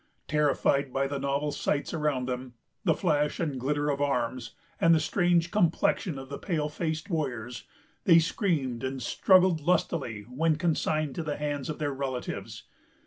Terrified by the novel sights around them, the flash and glitter of arms, and the strange complexion of the pale faced warriors, they screamed and struggled lustily when consigned to the hands of their relatives.